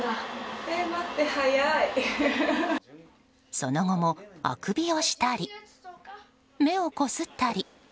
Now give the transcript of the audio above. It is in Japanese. その後も、あくびをしたり目をこすったり。